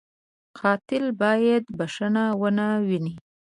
قاتل باید بښنه و نهويني